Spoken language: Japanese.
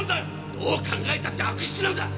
どう考えたって悪質なんだ！